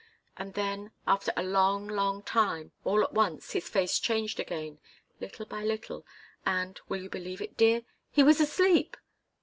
And then after a long, long time all at once, his face changed again, little by little, and will you believe it, dear? He was asleep!"